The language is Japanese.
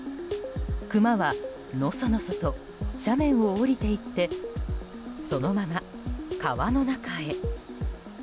クマは、のそのそと斜面を下りていってそのまま川の中へ。